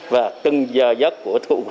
và từng giờ giấc của thủ thuận lập